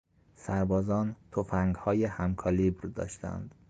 سربازان تفنگهای هم کالیبر داشتند.